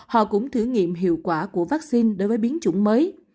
họ cũng thử nghiệm hiệu quả của vaccine đối với biến chủng mới